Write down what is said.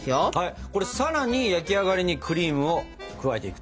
これさらに焼き上がりにクリームを加えていくと。